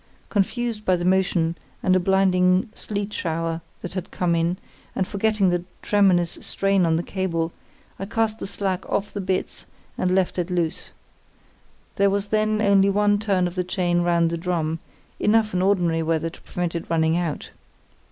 Confused by the motion and a blinding sleet shower that had come on, and forgetting the tremendous strain on the cable, I cast the slack off the bitts and left it loose. There was then only one turn of the chain round the drum, enough in ordinary weather to prevent it running out.